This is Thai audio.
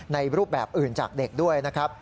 รูปแบบอื่นจากเด็กด้วยนะครับ